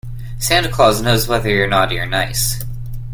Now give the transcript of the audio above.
Santa Claus knows whether you're naughty or nice.